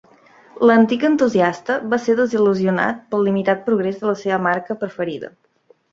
L'antic entusiasta va ser desil·lusionat pel limitat progrés de la seva marca preferida.